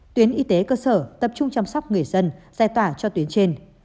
tuyến y tế cơ sở tập trung chăm sóc người dân giải tỏa cho tuyến trên